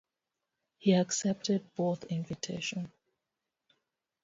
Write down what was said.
He accepted both invitations.